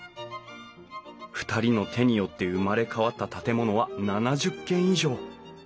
２人の手によって生まれ変わった建物は７０軒以上。